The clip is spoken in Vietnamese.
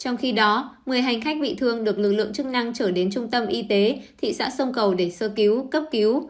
trong khi đó một mươi hành khách bị thương được lực lượng chức năng trở đến trung tâm y tế thị xã sông cầu để sơ cứu cấp cứu